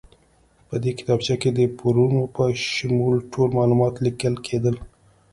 په دې کتابچه کې د پورونو په شمول ټول معلومات لیکل کېدل.